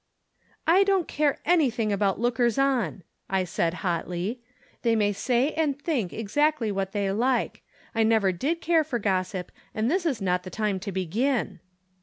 "I don't care anything about lookers on," I said, hotly. " They may say and tliink exactly what they like. I never did care for gossip, and this is not the time to begin."